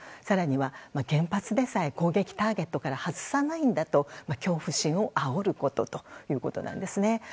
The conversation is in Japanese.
更には原発でさえ攻撃ターゲットから外さないんだと恐怖心をあおることということです。